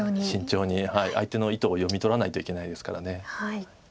慎重に相手の意図を読み取らないといけないですから。